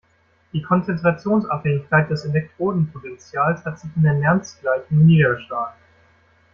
Die Konzentrationsabhängigkeit des Elektrodenpotentials hat sich in der Nernst-Gleichung niedergeschlagen.